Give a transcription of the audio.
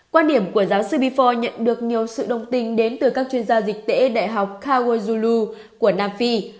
quan điểm của giáo sư bifor nhận được nhiều sự đồng tình đến từ các chuyên gia dịch tễ đại học kawajulu của nam phi